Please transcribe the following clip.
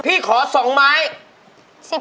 พี่ขอสองไม้